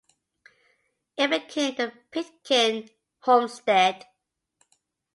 It became the Pitkin homestead.